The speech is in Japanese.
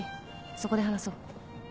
そこで話そう。